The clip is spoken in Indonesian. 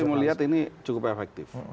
saya melihat ini cukup efektif